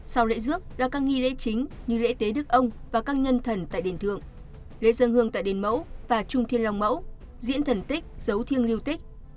sau lễ rước là các nghi lễ chính như lễ tế đức ông và các nhân thần tại đền thượng lễ dân hương tại đền mẫu và trung thiên long mẫu diễn thần tích giấu thiêng lưu tích